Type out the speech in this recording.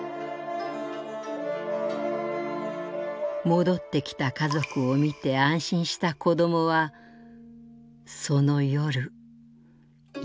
「戻ってきた家族を見て安心した子どもはその夜息を引き取りました」。